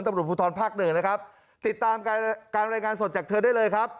ตำรวจภูทรภาคหนึ่งนะครับติดตามการการรายงานสดจากเธอได้เลยครับ